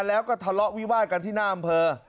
แล้วก็ทะเลาะวิวาดกันที่หน้าอำเภอ